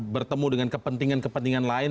bertemu dengan kepentingan kepentingan lain